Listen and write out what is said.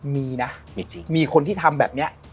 มีนะมีคนที่ทำแบบนี้